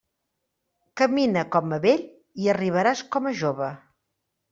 Camina com a vell i arribaràs com a jove.